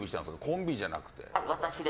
コンビじゃなくて？